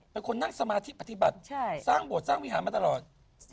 เป็นคนนั่งสมาธิปฏิบัติสร้างโบสถสร้างวิหารมาตลอด